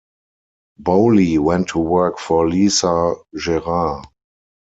Bowley went to work for Lisa Gerrard.